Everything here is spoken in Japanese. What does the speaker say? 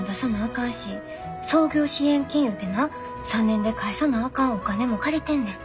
かんし創業支援金いうてな３年で返さなあかんお金も借りてんねん。